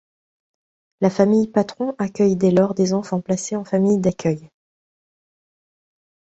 La famille Patron accueille dès lors des enfants placés en famille d'accueil.